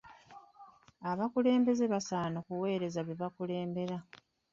Abakulembeze basaana okuweereza be bakulembera.